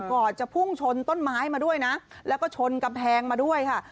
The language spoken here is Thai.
ก่อนจะพุ่งชนต้นไม้มาด้วยนะแล้วก็ชนกำแพงมาด้วยค่ะ